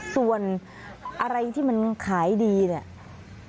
ส่วนอะไรที่มันขายดีเนี่ย